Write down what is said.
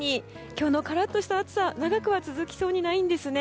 今日のカラッとした暑さ長くは続きそうにないんですね。